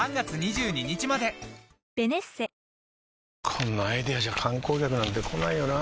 こんなアイデアじゃ観光客なんて来ないよなあ